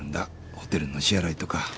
ホテルの支払いとか。